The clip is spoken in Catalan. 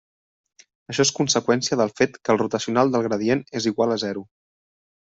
Això és conseqüència del fet que el rotacional del gradient és igual a zero.